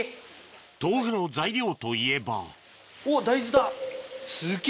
豆腐の材料といえばすっげぇ